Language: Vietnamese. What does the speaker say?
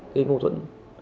cái mô thuẫn